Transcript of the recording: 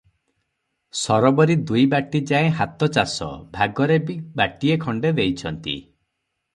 ସରବରି ଦୁଇ ବାଟିଯାଏ ହାତଚାଷ, ଭାଗରେ ବି ବାଟିଏ ଖଣ୍ଡେ ଦେଇଛନ୍ତି ।